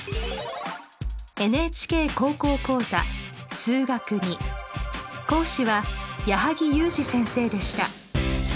ＮＨＫ高校講座「数学Ⅱ」講師は矢作裕滋先生でした。